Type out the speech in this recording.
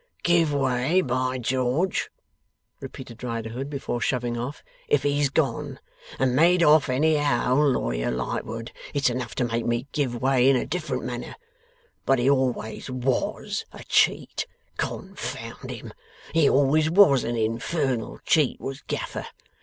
'Give way, by George!' repeated Riderhood, before shoving off. 'If he's gone and made off any how Lawyer Lightwood, it's enough to make me give way in a different manner. But he always WAS a cheat, con found him! He always was a infernal cheat, was Gaffer.